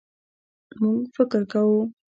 مونږ فکر کوو